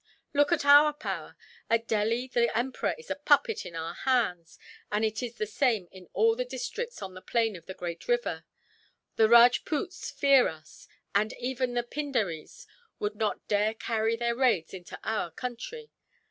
"Look at our power! At Delhi the emperor is a puppet in our hands, and it is the same in all the districts on the plain of the great river. The Rajpoots fear us, and even the Pindaries would not dare carry their raids into our country.